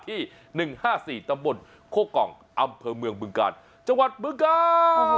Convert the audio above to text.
ที่๑๕๔ตำบลโคกองอำเภอเมืองบึงกาลจังหวัดบึงกา